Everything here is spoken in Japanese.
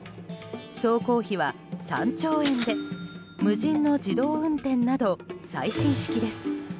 総工費は３兆円で無人の自動運転など最新式です。